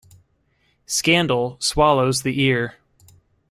Scandal swallows the ear.